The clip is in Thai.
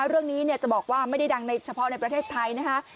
เรื่องนี้จะบอกว่าไม่ได้ดังในเฉพาะในประเทศไทยนะคะ